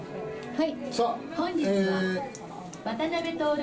「はい。